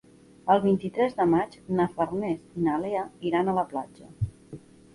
El vint-i-tres de maig na Farners i na Lea iran a la platja.